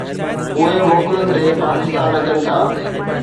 اهي موڪلن تي پاڪستان اچن ٿا.